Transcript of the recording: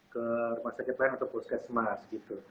ke rumah sakit lain atau puskesmas gitu